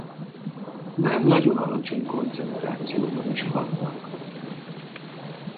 Már nagyon alacsony koncentrációban is hatnak.